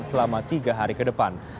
selama tiga hari ke depan